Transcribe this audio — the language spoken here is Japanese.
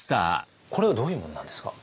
これはどういうものなんですか？